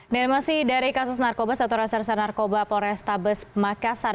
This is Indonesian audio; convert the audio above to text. masih dari kasus narkoba satu reserse narkoba polrestabes makassar